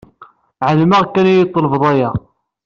Ɛelmeɣ kan ad yi-d-tḍelbeḍ aya.